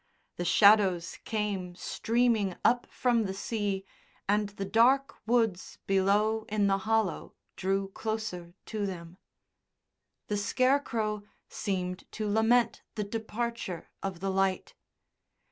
The shadows came streaming up from the sea and the dark woods below in the hollow drew closer to them. The Scarecrow seemed to lament the departure of the light.